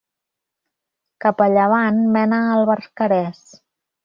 Cap a llevant, mena al Barcarès.